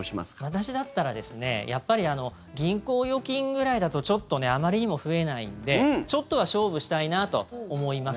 私だったらやっぱり銀行預金ぐらいだとちょっとあまりにも増えないんでちょっとは勝負したいなと思います。